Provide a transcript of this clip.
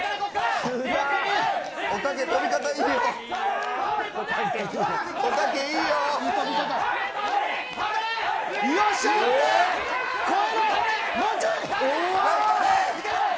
おたけ跳び方低いぞ。